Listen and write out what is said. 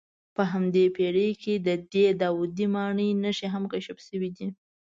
په همدې پېړۍ کې د دې داودي ماڼۍ نښې هم کشف شوې دي.